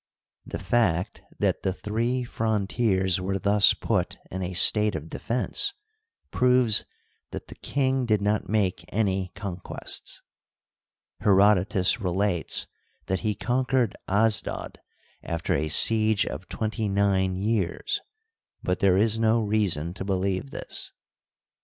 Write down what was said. The fact that the three frontiers were thus put in a state of defense proves that the king did not make any con quests. Herodotus relates that he conquered Asdod sifter a siege of twenty nine years, but there is no reason to believe this.